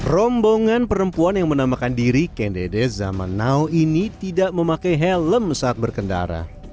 rombongan perempuan yang menamakan diri kended zaman now ini tidak memakai helm saat berkendara